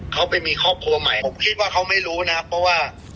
เขาไปมีครอบครัวใหม่ผมคิดว่าเขาไม่รู้นะครับเพราะว่า